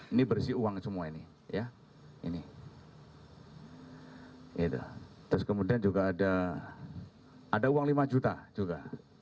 ini berisi uang semua ini ya ini terus kemudian juga ada uang lima juta juga